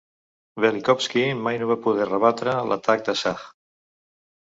Velikovsky mai no va poder rebatre l'atac de Sach.